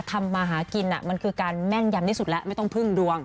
ทำมาหากินมันคือการแม่นยำที่สุดแล้วไม่ต้องพึ่งดวง